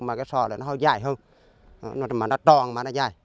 mà cái sò là nó hơi dài hơn mà nó tròn mà nó dài